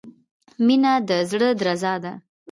• مینه د زړۀ درزا ده.